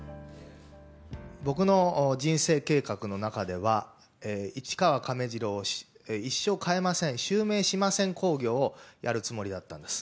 僕の人生計画の中では、市川亀治郎を一生変えません、襲名しません興行をやるつもりだったんです。